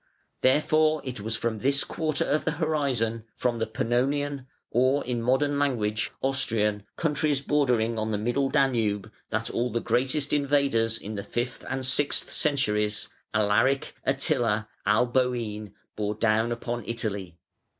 Therefore it was from this quarter of the horizon, from the Pannonian (or in modern language, Austrian) countries bordering on the Middle Danube, that all the greatest invaders in the fifth and sixth centuries, Alaric, Attila, Alboin, bore down upon Italy.